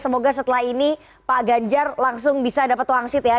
semoga setelah ini pak ganjar langsung bisa dapat wangsit ya